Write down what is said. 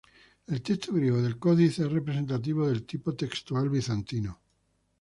El texto griego del códice es representativo del tipo textual bizantino.